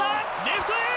レフトへ！